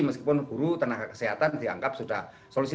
meskipun guru tenaga kesehatan dianggap sudah solusi